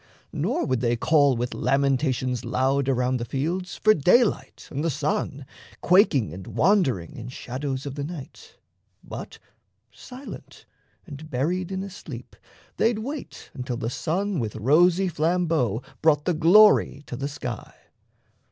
Nor would they call with lamentations loud Around the fields for daylight and the sun, Quaking and wand'ring in shadows of the night; But, silent and buried in a sleep, they'd wait Until the sun with rosy flambeau brought The glory to the sky.